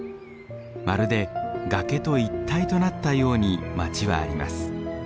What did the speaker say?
まるで崖と一体となったように街はあります。